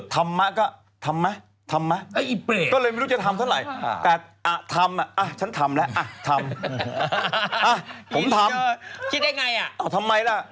ทำมาก็ทำมาก็เลยไม่รู้จะทำเท่าไหร่